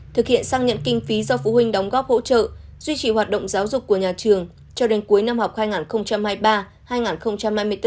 thực hiện sang nhận kinh phí do phụ huynh đóng góp hỗ trợ duy trì hoạt động giáo dục của nhà trường cho đến cuối năm học hai nghìn hai mươi ba hai nghìn hai mươi bốn